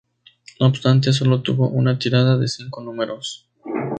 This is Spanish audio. No obstante, sólo tuvo una tirada de cinco números.